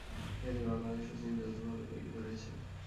এটি বাংলাদেশ ও চীন যৌথ ভাবে তৈরি করেছে।